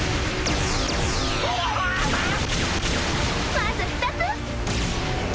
まず２つ。